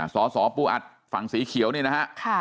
สสปูอัดฝั่งสีเขียวนี่นะฮะ